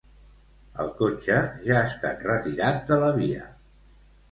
El cotxe ja ha estat retirat de la via.